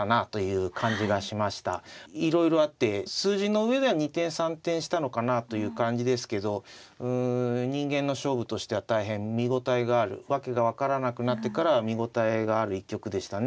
いろいろあって数字の上では二転三転したのかなという感じですけどうん人間の勝負としては大変見応えがある訳が分からなくなってから見応えがある一局でしたね。